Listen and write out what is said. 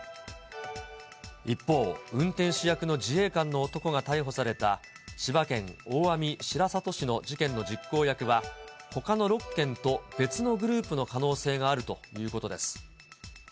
一方、運転手役の自衛官の男が逮捕された、千葉県大網白里市の事件の実行役は、ほかの６件と別のグループの可能性があるということです。